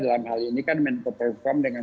dalam hal ini kan menutup hukum dengan